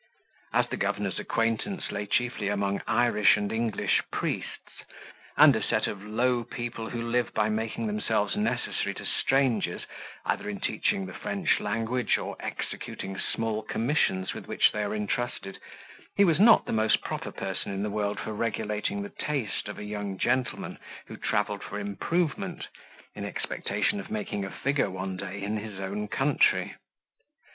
As the governor's acquaintance lay chiefly among Irish and English priests, and a set of low people who live by making themselves necessary to strangers, either in teaching the French language, or executing small commissions with which they are intrusted, he was not the most proper person in the world for regulating the taste of a young gentleman who travelled for improvement, in expectation of making a figure one day in his own country.